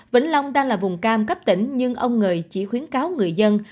vĩnh long đang là vùng cam cấp tỉnh nhưng ông ngời chỉ khuyến cáo người dân